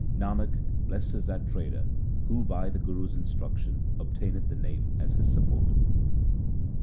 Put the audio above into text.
Nanak, blessed is that trader who by the Guru's instruc tion obtaineth the Name as his support.